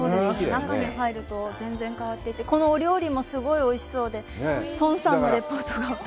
中に入ると全然変わっていて、このお料理もすごいおいしそうで、孫さんのレポートが。